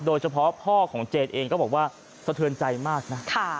โดยเฉพาะพ่อของเจนเองก็บอกว่าสะเทือนใจมากนะ